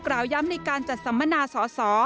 กล่าวย้ำในการจัดสัมมนาสอสอ